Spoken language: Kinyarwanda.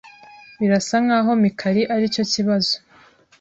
Birasa nkaho Mikali aricyo kibazo.